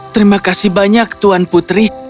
terima kasih banyak tuan putri